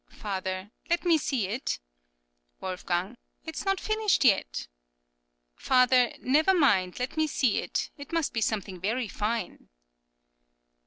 Father: Let me see it. Wolfg.: It is not finished yet. Father: Never mind; let me see it. It must be something very fine.